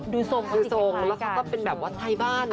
ดูทรงแล้วเขาก็เป็นแบบว่าไทยบ้าน